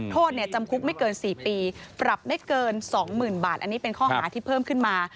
โทษจำคุกไม่เกิน๔ปีปรับไม่เกิน๒๐๐๐บาทอันนี้เป็นข้อหาที่เพิ่มขึ้นมา